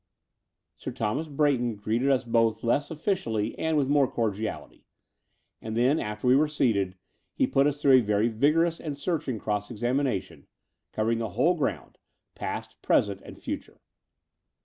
Sir Thomas Brayton greeted us both less oflS dally and with more cordiality ; and then, after we were seated, he put us through a very vigorous and searching cross examination, covering the whole ground — past, present, and future.